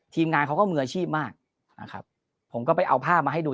งานเขาก็มืออาชีพมากนะครับผมก็ไปเอาภาพมาให้ดู